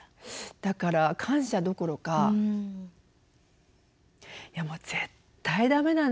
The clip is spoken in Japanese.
だから感謝どころかいやもう絶対ダメなんだ。